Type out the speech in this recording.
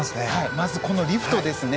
まずこのリフトですね。